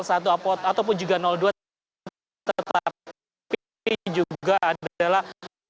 ataupun juga dua tetapi juga adalah